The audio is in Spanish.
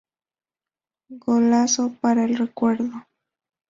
Golazo para el recuerdo.